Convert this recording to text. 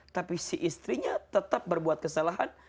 tapi si istrinya tetap berbuat kesalahan